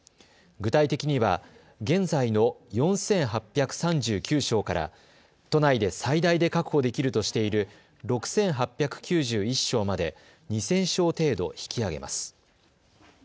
具体的には現在の４８３９床から都内で最大で確保できるとしている６８９１床まで２０００床程度引き上げます。